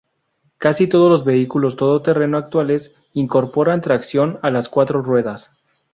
Casi todos los vehículos todoterreno actuales incorporan tracción a las cuatro ruedas.